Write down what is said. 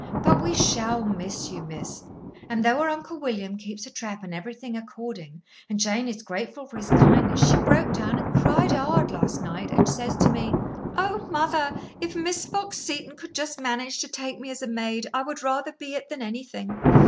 But we shall miss you, miss, and though her Uncle William keeps a trap and everything according, and Jane is grateful for his kindness, she broke down and cried hard last night, and says to me: 'Oh, mother, if Miss Fox Seton could just manage to take me as a maid, I would rather be it than anything.